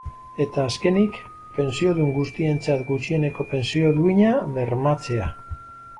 Eta azkenik, pentsiodun guztientzat gutxieneko pentsio duina bermatzea.